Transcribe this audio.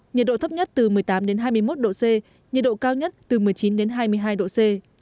nhiệt độ thấp nhất từ một mươi tám đến hai mươi một độ c nhiệt độ cao nhất từ một mươi chín đến hai mươi hai độ c